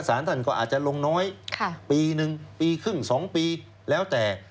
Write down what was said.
สารท่านก็อาจจะลงน้อยปีหนึ่งปีครึ่ง๒ปีแล้วแต่